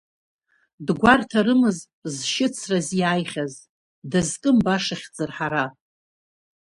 Дгәарҭарымызт зшьыцра зиааихьаз, дазкым баша хьӡырҳара.